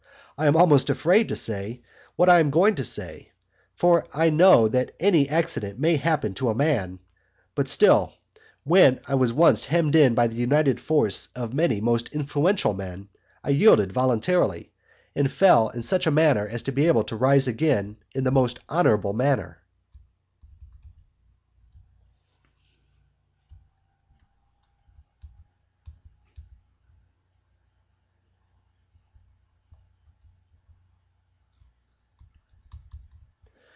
I am almost afraid to say what I am going to say; for I know that any accident may happen to a man; but still, when I was once hemmed in by the united force of many most influential men, I yielded voluntarily, and fell in such a manner as to be able to rise again in the most honourable manner.